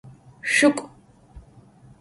Şük'o!